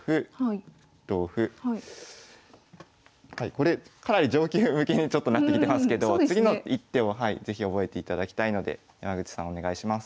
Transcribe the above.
これかなり上級向けになってきてますけど次の一手を是非覚えていただきたいので山口さんお願いします。